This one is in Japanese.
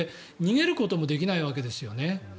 逃げることもできないわけですよね。